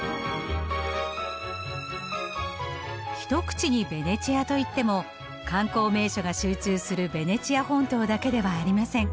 一口にベネチアと言っても観光名所が集中するベネチア本島だけではありません。